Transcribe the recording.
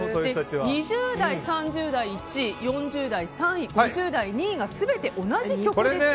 ２０代、３０代の１位４０代の３位５０代、２位が全て同じ曲でした。